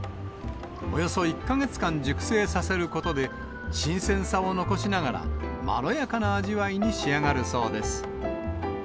およそ１か月間熟成させることで、新鮮さを残しながら、まろやかな味わいに仕上がるそうです。